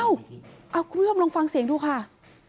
คุณผู้ชมลองฟังเสียงดูค่ะ